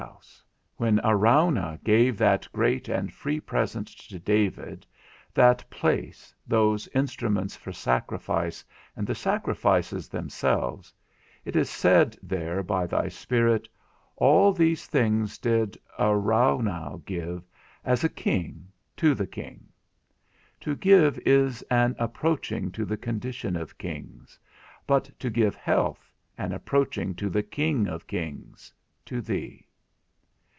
It is kingly to give; when Araunah gave that great and free present to David, that place, those instruments for sacrifice, and the sacrifices themselves, it is said there by thy Spirit, All these things did Araunah give, as a king, to the king. To give is an approaching to the condition of kings, but to give health, an approaching to the King of kings, to thee.